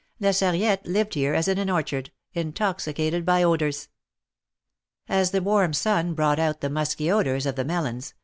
La Sarriette lived here as in an orchard, intoxicated by odors. As the warm sun brought out the musky odors of the melons.